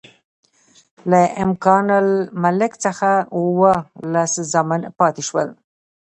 له امان الملک څخه اووه لس زامن پاتې شول.